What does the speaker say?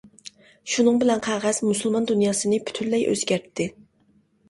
شۇنىڭ بىلەن قەغەز مۇسۇلمان دۇنياسىنى پۈتۈنلەي ئۆزگەرتتى.